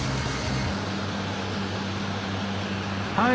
はい。